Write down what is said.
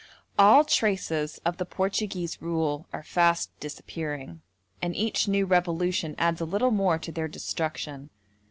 All traces of the Portuguese rule are fast disappearing, and each new revolution adds a little more to their destruction.